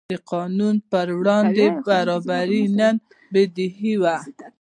د قانون پر وړاندې برابري نن بدیهي ده.